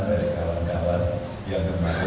dari kawan kawan yang berpikir